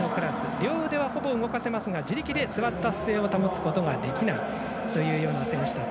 両腕はほぼ動かせますが自力で座った姿勢を保つことができないというような選手たち。